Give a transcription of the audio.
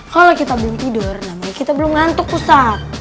kalau kita belum tidur namanya kita belum ngantuk pusat